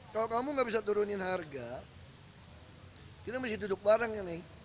kalau kamu nggak bisa turunin harga kita mesti duduk bareng ya nih